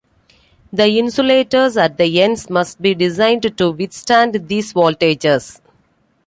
The insulators at the ends must be designed to withstand these voltages.